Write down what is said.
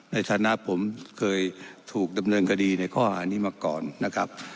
ในฐานะผมเคยถูกดำเนินคดีในข้อหานี้มาก่อนนะครับ